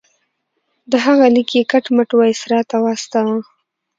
د هغه لیک یې کټ مټ وایسرا ته واستاوه.